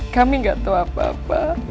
kami gak tau apa apa